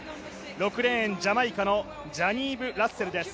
６レーン、ジャマイカのジャニーブ・ラッセルです。